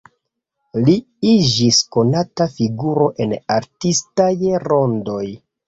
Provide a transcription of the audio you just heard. Li iĝis konata figuro en artistaj rondoj.